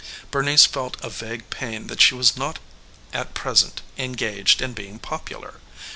Bernice felt a vague pain that she was not at present engaged in being popular.